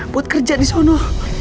buat kerja disana